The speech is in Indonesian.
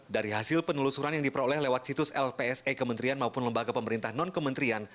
dari hasil penelusuran yang diperoleh lewat situs lpse kementerian maupun lembaga pemerintah non kementerian